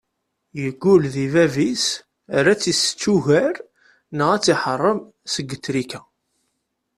Yeggul deg bab-is ar ad t-issečč ugar neɣ ad t-iḥeṛṛem seg trika.